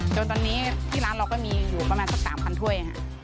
จนตอนนี้ที่ร้านเราก็มีอยู่ประมาณสัก๓๐๐ถ้วย